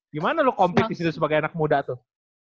gimana lu kompit disitu sebagai anak muda tuh